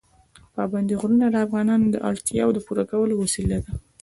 پابندی غرونه د افغانانو د اړتیاوو د پوره کولو وسیله ده.